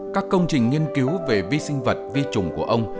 các công trình nghiên cứu về vi sinh vật vi trùng của ông